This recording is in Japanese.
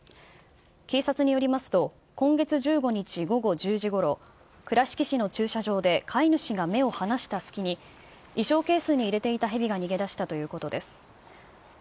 警察によりますと、今月１５日午後１０時ごろ、倉敷市の駐車場で飼い主が目を離した隙に、衣装ケースに入れていたヘビが逃げ出したということです。